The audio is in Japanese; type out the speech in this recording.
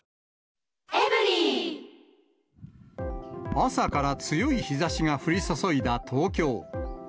朝から強い日ざしが降り注いだ東京。